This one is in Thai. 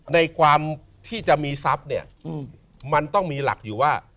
ในความที่จะมีทรัพย์เนี่ยมันต้องมีหลักอยู่ว่า